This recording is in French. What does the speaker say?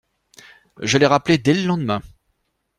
Je l’ai rappelée dès le lendemain.